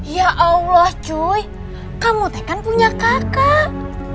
ya allah cuy kamu teh kan punya kakak